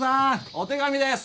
お手紙です！